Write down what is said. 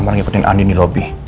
amar ngikutin andin di lobi